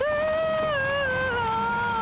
あ！